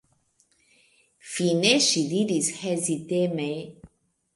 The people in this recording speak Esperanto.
Fine ŝi diris heziteme: